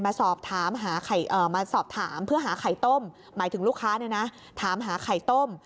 สอบถามหามาสอบถามเพื่อหาไข่ต้มหมายถึงลูกค้าเนี่ยนะถามหาไข่ต้ม